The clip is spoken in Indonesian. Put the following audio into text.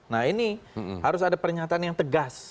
nah ini harus ada pernyataan yang tegas